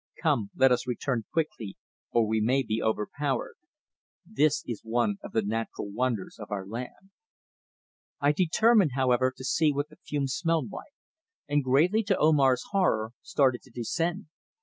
Come, let us return quickly, or we may be overpowered. This is one of the natural wonders of our land." I determined, however, to see what the fumes smelled like, and, greatly to Omar's horror, started to descend.